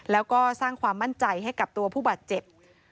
แล้วก็สร้างความมั่นใจให้กับตัวผู้บาดเจ็บ